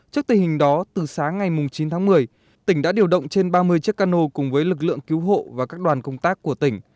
trước tình hình đó từ sáng ngày chín tháng một mươi tỉnh đã điều động trên ba mươi chiếc cano cùng với lực lượng cứu hộ và các đoàn công tác của tỉnh